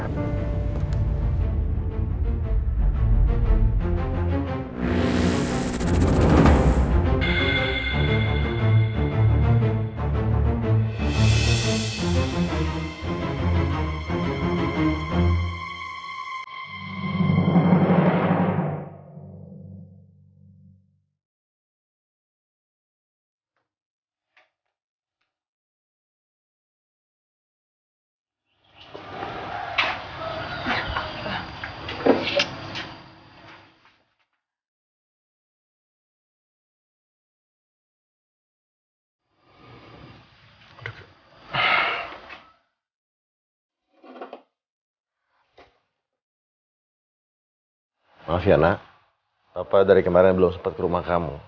reina tidak akan jatuh